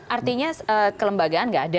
artinya kelembagaan tidak ada